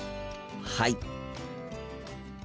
はい！